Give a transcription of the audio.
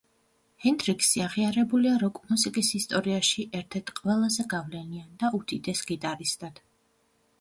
ჰენდრიქსი აღიარებულია როკ მუსიკის ისტორიაში ერთ-ერთ ყველაზე გავლენიან და უდიდეს გიტარისტად.